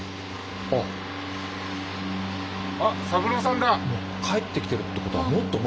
あ三郎さんだ！